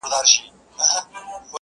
• د مرګ په خوب به چېرته ویده یم ,